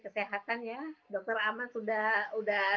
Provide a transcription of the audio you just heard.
kesehatan ya dokter aman sudah